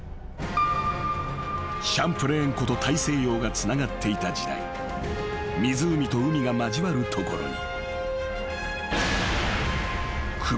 ［シャンプレーン湖と大西洋がつながっていた時代湖と海が交わるところに］